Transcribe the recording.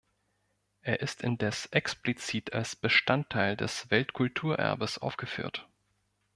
Er ist indes explizit als Bestandteil des Weltkulturerbes aufgeführt.